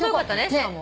しかも。